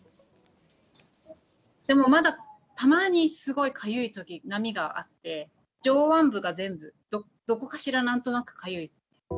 でもまだたまにすごいかゆいとき、波があって、上腕部が全部、どこかしらなんとなくかゆい。